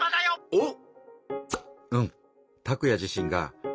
おっ！